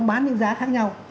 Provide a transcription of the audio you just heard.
bán những giá khác nhau